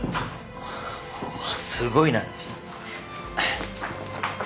すごいな。